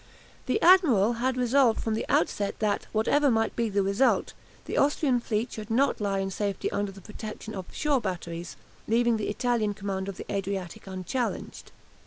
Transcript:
The admiral had resolved from the outset that, whatever might be the result, the Austrian fleet should not lie in safety under the protection of shore batteries, leaving the Italian command of the Adriatic unchallenged.